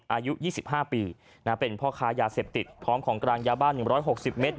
อายุ๒๕ปีเป็นพ่อค้ายาเสพติดพร้อมของกลางยาบ้าน๑๖๐เมตร